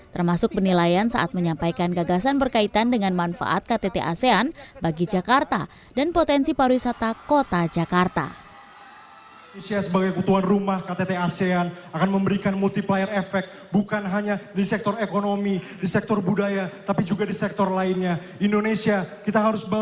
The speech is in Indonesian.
termasuk penilaian saat menyampaikan gagasan berkaitan dengan penyelamat